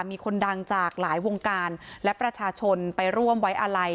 มีคนดังจากหลายวงการและประชาชนไปร่วมไว้อาลัย